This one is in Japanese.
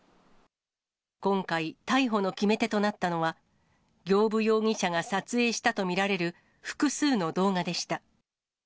今回、逮捕の決め手となったのは、行歩容疑者が撮影したと見られる複数の動画でした。